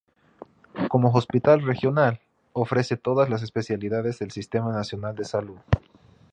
Como hospital regional, ofrece todas las especialidades del Sistema Nacional de Salud.